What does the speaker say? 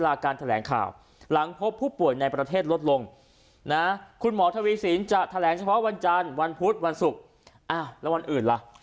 อ่าแล้ววันอื่นล่ะ